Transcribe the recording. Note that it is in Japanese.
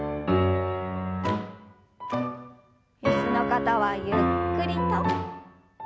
椅子の方はゆっくりと。